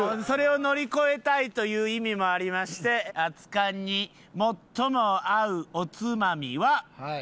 それを乗り越えたいという意味もありまして熱燗に最も合うおつまみは。